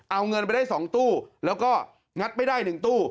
เอาเงินไปได้๒ตู้แล้วก็งัดไม่ได้๑ตู้